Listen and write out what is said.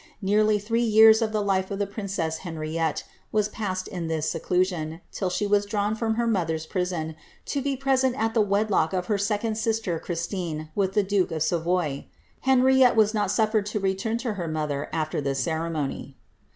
Nearly three years of the life of the princess Henriette were passed in this seclusion, till she was drawn from her mother^s prison to be present at the wedlock of her second sister, Christine, with the duke of Savoy. Henriette was not suffered to return to her mother after this ceremony.